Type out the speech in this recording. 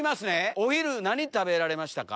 お昼何食べられましたか？